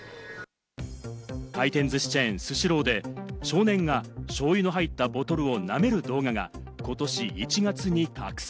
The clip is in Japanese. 回転ずしチェーン・スシローでもしょうゆの入ったボトルをなめる動画がことし１月に拡散。